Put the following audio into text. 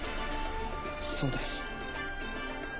そうです。